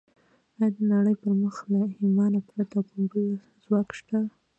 ایا د نړۍ پر مخ له ایمانه پرته کوم بل ځواک شته